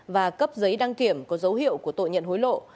và cấp giấy đăng kiểm có dấu hiệu của tội nhận hối lộ